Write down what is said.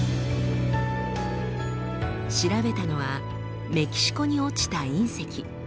調べたのはメキシコに落ちた隕石。